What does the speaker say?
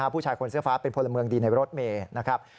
ผู้ชายคนเสื้อฟ้าเป็นพลเมืองดีในรถเมย์นะครับ